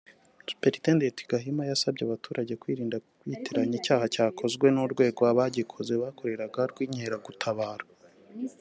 Supt Gahima yasabye abaturage kwirinda kwitiranya icyaha cyakozwe n’urwego abagikoze bakoreraga rw’inkeragutabara